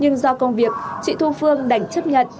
nhưng do công việc chị thu phương đành chấp nhận